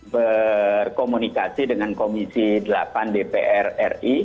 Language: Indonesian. berkomunikasi dengan komisi delapan dpr ri